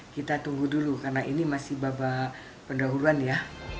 kita tunggu dulu karena ini masih babak pendahuluan ya